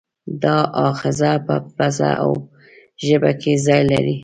دا آخذه په پزه او ژبه کې ځای لري.